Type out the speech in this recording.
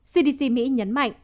cdc mỹ nhấn mạnh